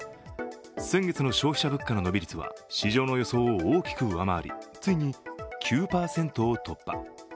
先月の消費者物価指の伸び率は市場の予想を大きく上回り、ついに９％を突破。